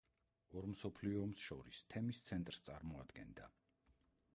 ორ მსოფლიო ომს შორის თემის ცენტრს წარმოადგენდა.